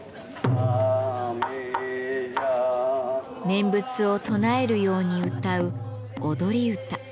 念仏を唱えるように歌う踊り唄。